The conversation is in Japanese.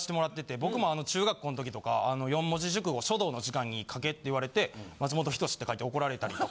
僕も中学校の時とか四文字熟語書道の時間に書けって言われて「松本人志」って書いて怒られたりとか。